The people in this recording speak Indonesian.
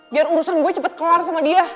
biar urusan gue cepet kelar sama dia